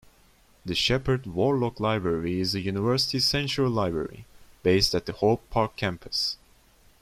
The Sheppard-Worlock Library is the university's central library, based at the Hope Park campus.